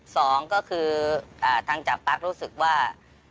สองก็คือทางจับปั๊กรู้สึกว่า